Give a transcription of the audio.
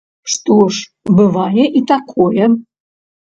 Што ж, бывае і такое.